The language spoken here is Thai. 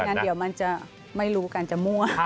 งั้นเดี๋ยวมันจะไม่รู้กันจะมั่ว